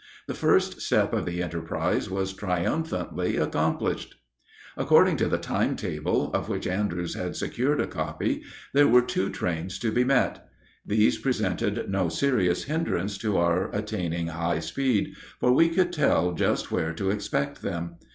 The first step of the enterprise was triumphantly accomplished. According to the time table, of which Andrews had secured a copy, there were two trains to be met. These presented no serious hindrance to our attaining high speed, for we could tell just where to expect them.